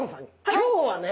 今日はね